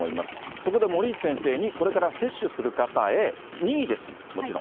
そこで森内先生にこれから接種する方へ、任意です、もちろん。